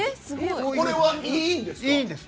これはいいんですか？